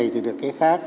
thì được cái khác